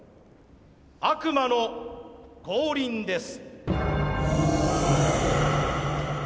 悪魔の降臨です。